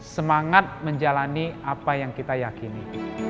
semangat menjalani apa yang kita yakini